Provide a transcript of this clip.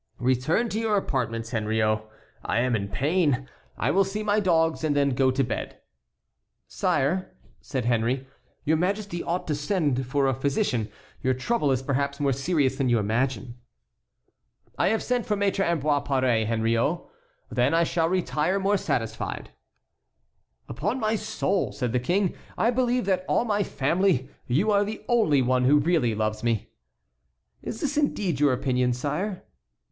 "Return to your apartments, Henriot, I am in pain. I will see my dogs and then go to bed." "Sire," said Henry, "your Majesty ought to send for a physician. Your trouble is perhaps more serious than you imagine." "I have sent for Maître Ambroise Paré, Henriot." "Then I shall retire more satisfied." "Upon my soul," said the King, "I believe that of all my family you are the only one who really loves me." "Is this indeed your opinion, sire?"